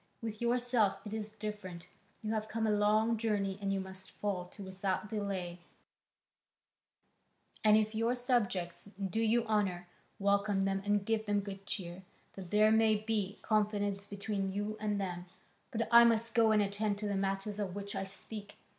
With yourself it is different, you have come a long journey and you must fall to without delay, and if your subjects do you honour, welcome them and give them good cheer, that there may be confidence between you and them, but I must go and attend to the matters of which I speak.